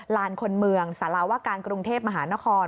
ลานคนเมืองสารวการกรุงเทพมหานคร